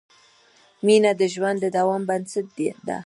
مینه د ژوند د دوام بنسټ ده.